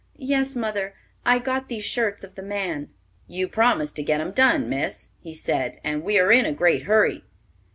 "Yes, mother, I got these shirts of the man." "You promised to get 'em done, Miss," he said, "and we are in a great hurry."